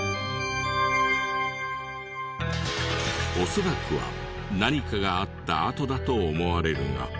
恐らくは何かがあった跡だと思われるが。